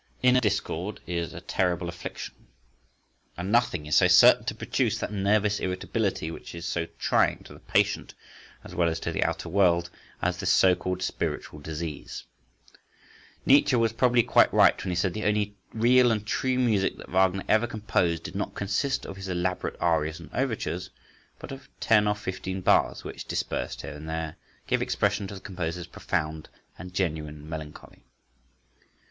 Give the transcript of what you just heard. Inner discord is a terrible affliction, and nothing is so certain to produce that nervous irritability which is so trying to the patient as well as to the outer world, as this so called spiritual disease. Nietzsche was probably quite right when he said the only real and true music that Wagner ever composed did not consist of his elaborate arias and overtures, but of ten or fifteen bars which, dispersed here and there, gave expression to the composer's profound and genuine melancholy.